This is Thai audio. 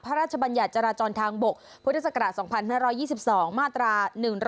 พระราชบัญญัติจราจรทางบกพุทธศักราช๒๕๒๒มาตรา๑๑๒